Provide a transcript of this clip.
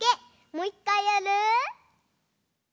もういっかいやる？